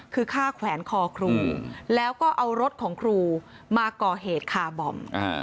คือฆ่าแขวนคอครูแล้วก็เอารถของครูมาก่อเหตุคาร์บอม